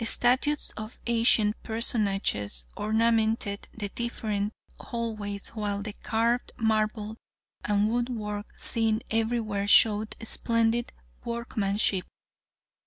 Statues of ancient personages ornamented the different hallways, while the carved marble and woodwork seen everywhere showed splendid workmanship.